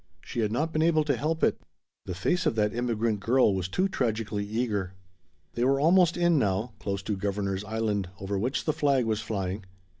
She had not been able to help it. The face of that immigrant girl was too tragically eager. They were almost in now, close to Governor's Island, over which the flag was flying.